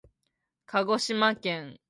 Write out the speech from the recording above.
かごしまけん